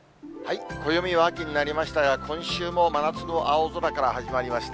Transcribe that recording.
暦は秋になりましたが、今週も真夏の青空から始まります。